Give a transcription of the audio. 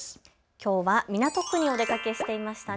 きょうは港区にお出かけしていましたね。